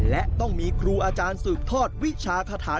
และต้องมีครูอาจารย์สืบทอดวิชาคาถา